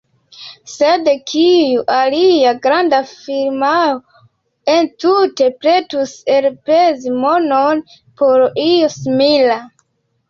Sed kiu alia granda firmao entute pretus elspezi monon por io simila?